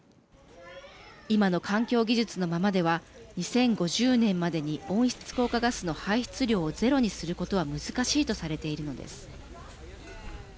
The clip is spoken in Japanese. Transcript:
今の環境技術のままでは２０５０年までに温室効果ガスの排出量をゼロにすることは難しいとされているのです。